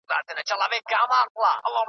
تر مطلبه یاري .